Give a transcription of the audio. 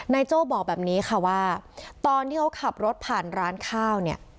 โจ้บอกแบบนี้ค่ะว่าตอนที่เขาขับรถผ่านร้านข้าวเนี่ย